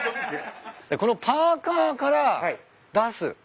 このパーカーから出す。